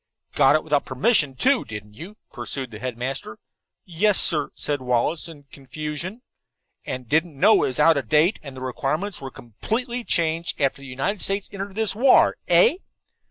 "Got it without permission, too, didn't you?" pursued the headmaster. "Yes, sir," said Wallace, in confusion. "And didn't know that it was out of date, and that the requirements were completely changed after the United States entered this war, eh?"